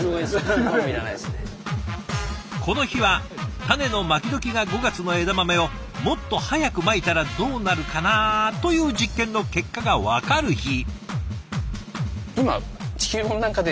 この日は種のまき時が５月の枝豆をもっと早くまいたらどうなるかな？という実験の結果が分かる日。